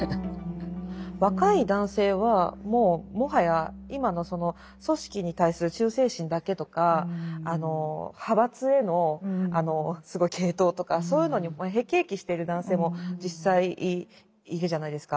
若い男性はもうもはや今のその組織に対する忠誠心だけとか派閥へのすごい傾倒とかそういうのに辟易してる男性も実際いるじゃないですか。